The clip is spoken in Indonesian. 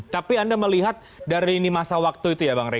tapi anda melihat dari masa waktu itu ya bang rey